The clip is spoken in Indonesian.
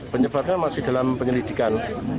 penyebatnya masih dalam penyelidikan